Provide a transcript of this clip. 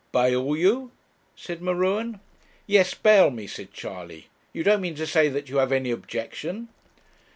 'Bail you!' said M'Ruen. 'Yes, bail me,' said Charley. 'You don't mean to say that you have any objection?'